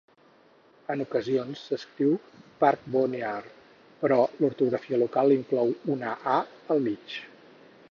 En ocasions s'escriu Parkvonear, però l'ortografia local inclou una "a" al mig.